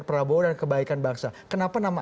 prabowo dan kebaikan bangsa kenapa nama